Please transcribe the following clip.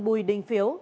bùi đình phiếu